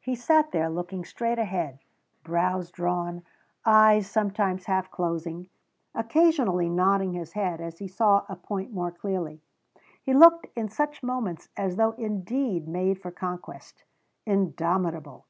He sat there looking straight ahead, brows drawn, eyes sometimes half closing, occasionally nodding his head as he saw a point more clearly. He looked in such moments as though indeed made for conquest, indomitable.